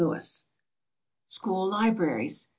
Louis. SCHOOL LIBRARIES.